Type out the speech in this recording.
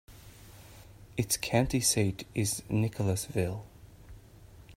Its county seat is Nicholasville.